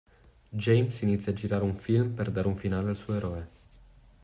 James inizia a girare un film per dare un finale al suo eroe.